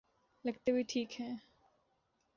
لگتے بھی ٹھیک ہیں۔